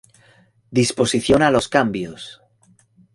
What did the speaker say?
Disposición a los cambios.